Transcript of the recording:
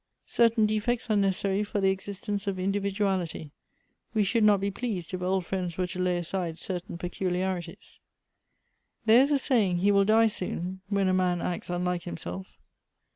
" Certain defects are necessary for the existence of indi viduality. We should not be pleased, if old friends were to lay aside certain peculiarities." "There is a saying, 'He will die soon,' when a man acts unlike himself."